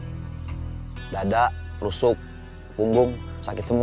masih sakit sakit apa dihajar orang aduh dada rusuk punggung sakit semua